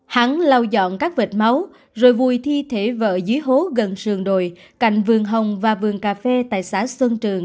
hắn lau dọn các vệt máu rồi vùi thi thể vợ dưới hố gần sườn đồi cạnh vườn hồng và vườn cà phê tại xã xuân trường